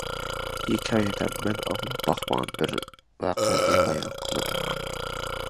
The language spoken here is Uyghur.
ھېكايىدە مەن ئاڭلاپ باقمىغان بىر ۋەقەنى بايان قىلىدۇ.